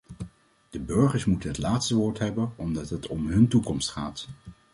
De burgers moeten het laatste woord hebben omdat het om hun toekomst gaat.